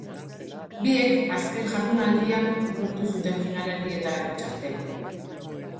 Biek azken jardunaldian lortu zuten finalerdietarako txartela.